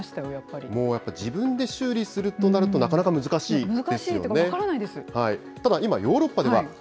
もうやっぱり、自分で修理するとなると、なかなか難しいですよね。